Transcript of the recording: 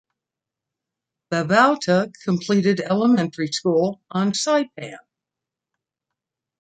Babauta completed elementary school on Saipan.